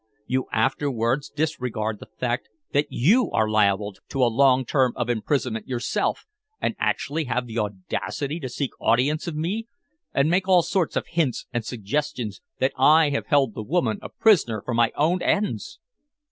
You afterwards disregard the fact that you are liable to a long term of imprisonment yourself, and actually have the audacity to seek audience of me and make all sorts of hints and suggestions that I have held the woman a prisoner for my own ends!"